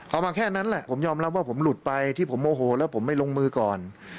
มาแค่นั้นแหละผมยอมรับว่าผมหลุดไปที่ผมโมโหแล้วผมไม่ลงมือก่อน